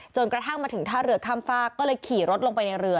กระทั่งมาถึงท่าเรือข้ามฝากก็เลยขี่รถลงไปในเรือ